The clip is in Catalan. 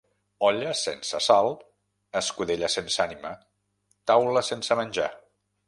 Olla sense sal, escudella sense ànima, taula sense menjar.